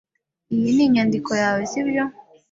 Iyi ni inyandiko yawe, sibyo?